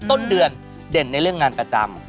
ต้นเดือนเด่นในเรื่องงานประจำ